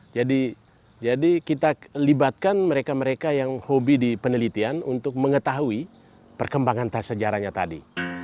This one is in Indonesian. jadi kita libatkan mereka mereka yang hobi di penelitian untuk mengetahui perkembangan sejarahnya tadi